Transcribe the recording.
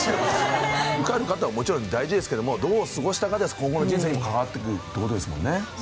受かる方はもちろん大事ですけどもどう過ごしたかで今後の人生にも関わってくるって事ですもんね。